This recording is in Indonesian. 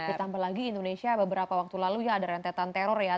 ditambah lagi indonesia beberapa waktu lalu ya ada rentetan teror ya